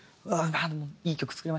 「いい曲作れました。